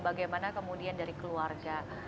bagaimana kemudian dari keluarga